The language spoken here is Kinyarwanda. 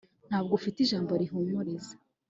ntabwo ufite ijambo rihumuriza